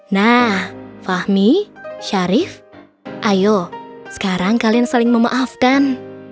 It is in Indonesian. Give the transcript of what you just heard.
nah fahmi syarif ayo sekarang kalian saling memaafkan